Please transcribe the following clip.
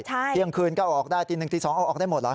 เที่ยงคืนก็ออกได้ตีหนึ่งตี๒เอาออกได้หมดเหรอ